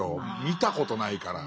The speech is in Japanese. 見たことないから。